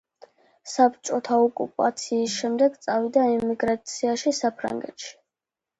საბჭოთა ოკუპაციის შემდეგ, წავიდა ემიგრაციაში საფრანგეთში.